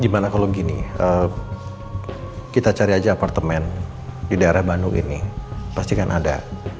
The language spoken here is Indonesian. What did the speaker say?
gimana kalau gini kita cari aja apartemen di daerah bandung ini pasti kan ada